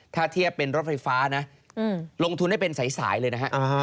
ถ้าเทียบเป็นรถไฟฟ้านะลงทุนได้เป็นสายเลยนะฮะ